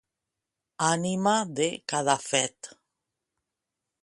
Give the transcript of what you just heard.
Ànima de cadafet.